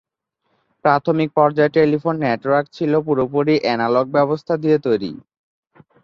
প্রাথমিক পর্যায়ে telephone network ছিল পুরোপুরি অ্যানালগ ব্যবস্থা দিয়ে তৈরি।